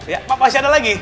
ya masih ada lagi